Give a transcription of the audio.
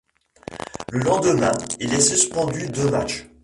Le lendemain, il est suspendu deux matchs.